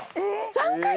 ３回！？